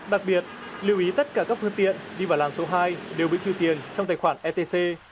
đặc biệt lưu ý tất cả các phương tiện đi vào làn số hai đều bị trừ tiền trong tài khoản etc